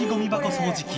掃除機